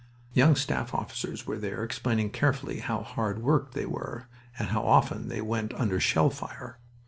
Young staff officers were there, explaining carefully how hard worked they were and how often they went under shell fire.